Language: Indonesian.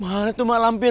mana tuh mak lampir